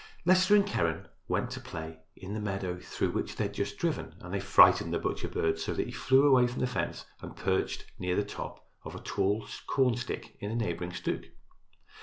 Leicester and Keren went to play in the meadow through which they had just driven, and they frightened the butcher bird so that he flew away from the fence and perched near the top of a tall cornstalk in a neighboring stook.